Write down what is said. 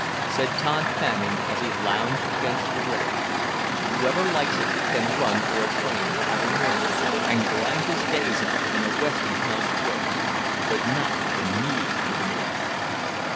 Said Tod Fanning, as he lounged against the rail, "Whoever likes it can run for a train every morning, and grind his days out in a Westinghouse works; but not for me any more!"